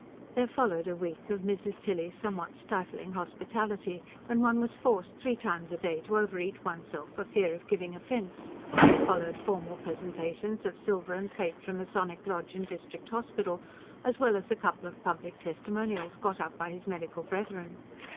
There followed a week of Mrs. Tilly's somewhat stifling hospitality, when one was forced three times a day to over eat oneself for fear of giving offence; followed formal presentations of silver and plate from Masonic Lodge and District Hospital, as well as a couple of public testimonials got up by his medical brethren.